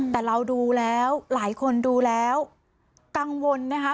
แต่เราดูแล้วหลายคนดูแล้วกังวลนะคะ